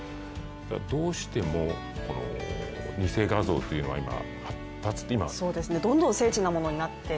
どうしても偽画像というのは今、発達しています。